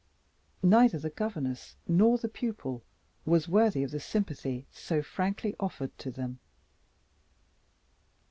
Neither the governess nor the pupil was worthy of the sympathy so frankly offered to them.